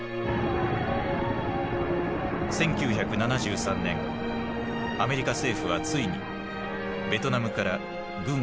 １９７３年アメリカ政府はついにベトナムから軍を完全撤退させた。